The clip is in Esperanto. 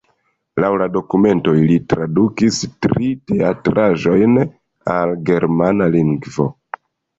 Laŭ la dokumentoj li tradukis tri teatraĵojn el germana lingvo.